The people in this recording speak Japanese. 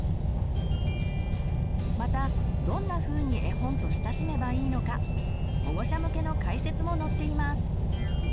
またどんなふうに絵本と親しめばいいのか保護者向けの解説も載っています。